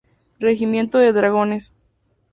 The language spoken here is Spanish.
Regimiento de Dragones.